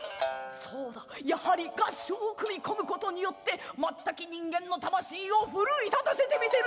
そうだやはり合唱を組み込むことによってまったき人間の魂を奮い立たせてみせるぞ！